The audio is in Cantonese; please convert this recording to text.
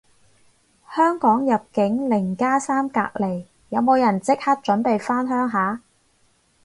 香港入境零加三隔離，有冇人即刻準備返鄉下